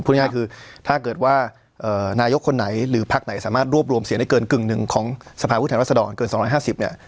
ง่ายคือถ้าเกิดว่านายกคนไหนหรือพักไหนสามารถรวบรวมเสียงได้เกินกึ่งหนึ่งของสภาพุทธแห่งรัฐสดรเกิน๒๕๐เนี่ย